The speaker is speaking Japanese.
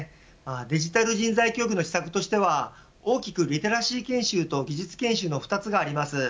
デジタル人材教育の施策としては、大きくリテラシー研修と技術研修の２つがあります。